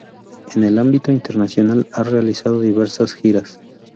En el ámbito internacional ha realizado diversas giras.